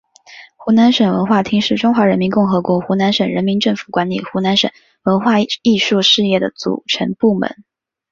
湖南省文化厅是中华人民共和国湖南省人民政府管理湖南省文化艺术事业的组成部门。